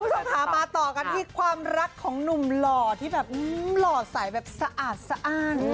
คุณผู้ชมค่ะมาต่อกันที่ความรักของหนุ่มหล่อที่แบบหล่อใสแบบสะอาดสะอ้าน